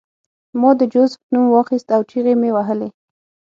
ما د جوزف نوم واخیست او چیغې مې وهلې